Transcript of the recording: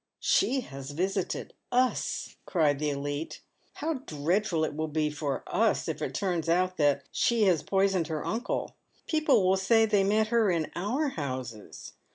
" She has visited ns I " cry the elite. " How dreadful it will be for us if it turns out that she has poisoned her uncle ! People will say they met her in our houses.